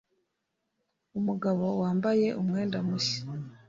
Umugabo wambaye umwenda mushya.